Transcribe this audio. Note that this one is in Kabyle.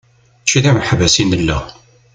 Mačči d imeḥbas i nella.